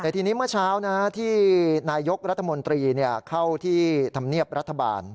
แต่ทีนี้เมื่อเช้าที่นายกรัฐมนตรีเข้าที่ธรรมเนียบรัฐบาล